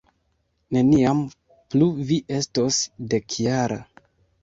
Neniam plu vi estos dekjara.